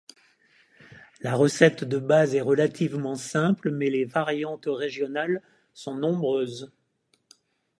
La recette de base est relativement simple, mais les variantes régionales sont nombreuses.